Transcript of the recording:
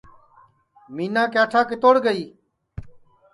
مِینا کِیاٹھا کِتوڑ گئی